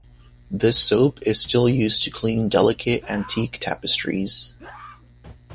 This soap is still used to clean delicate antique tapestries.